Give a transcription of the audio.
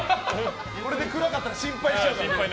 これで暗かったら心配しちゃうからね。